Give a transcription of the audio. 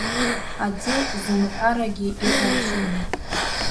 Аӡы зумҳәарагьы иҟоузеи.